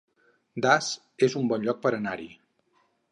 Das es un bon lloc per anar-hi